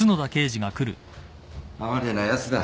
哀れなやつだ。